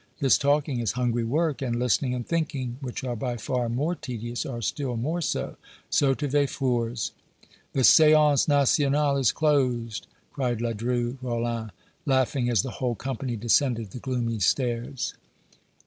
This talking is hungry work, and listening and thinking, which are by far more tedious, are still more so. So to Véfour's." "The séance 'National' is closed!" cried Ledru Rollin, laughing, as the whole company descended the gloomy stairs.